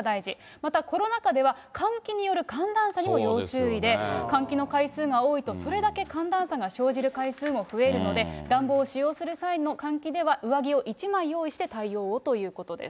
またコロナ禍では、換気による寒暖差にも要注意で換気の回数が多いと、それだけ寒暖差が生じる回数も増えるので、暖房を使用する際の換気では、上着を１枚用意して対応をということです。